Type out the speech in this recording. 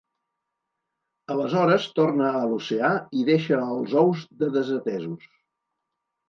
Aleshores torna a l'oceà i deixa els ous de desatesos.